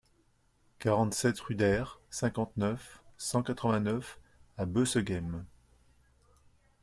quarante-sept rue d'Aire, cinquante-neuf, cent quatre-vingt-neuf à Boëseghem